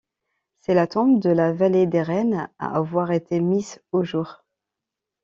C'est la tombe de la vallée des reines à avoir été mise au jour.